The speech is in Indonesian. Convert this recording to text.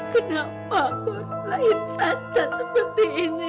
kenapa kau selahir saja seperti ini